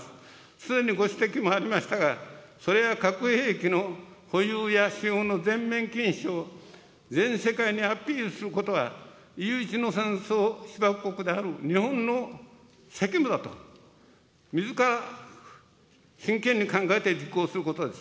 すでにご指摘もありましたが、それは核兵器の保有や使用の全面禁止を、全世界にアピールすることは、唯一の戦争被爆国である日本の責務だと、みずから真剣に考えて実行することです。